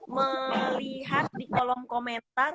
melihat di kolom komentar